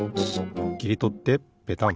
きりとってペタン。